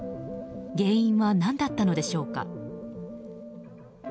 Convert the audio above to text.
原因は何だったのでしょうか。